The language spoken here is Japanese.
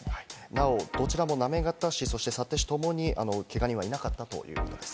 なおどちらも行方市、幸手市ともに、けが人はいなかったということです。